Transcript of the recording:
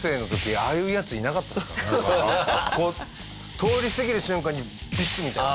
通り過ぎる瞬間にビシッみたいな。